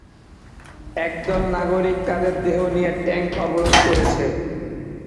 একদল নাগরিক তাদের দেহ নিয়ে ট্যাংক অবরোধ করছে।